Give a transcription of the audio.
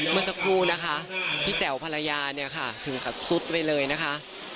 เมื่อสักครู่นะคะพี่แจ๋วภรรยาเนี่ยค่ะถึงกับซุดไปเลยนะคะ